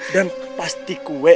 dan pasti kue